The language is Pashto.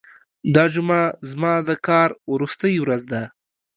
دا جمعه زما د کار وروستۍ ورځ ده.